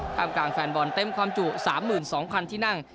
กลางกลางแฟนบอลเต็มความจุ๓๒๐๐๐ที่นั่ง